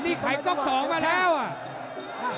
นี่ไข่ก๊อกสองมาแล้วอ่ะ